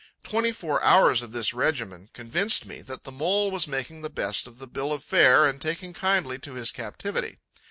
Twenty four hours of this regimen convinced me that the Mole was making the best of the bill of fare and taking kindly to his captivity.